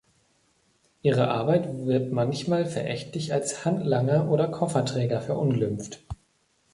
Ihre Arbeit wird manchmal verächtlich als „Handlanger“ oder „Kofferträger“ verunglimpft.